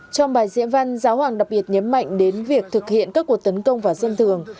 trong bài diễn văn giáo hoàng đặc biệt nhấn mạnh đến việc thực hiện các cuộc tấn công vào dân thường